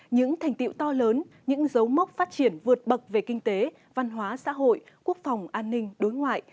những thành tiệu to lớn những dấu mốc phát triển vượt bậc về kinh tế văn hóa xã hội quốc phòng an ninh đối ngoại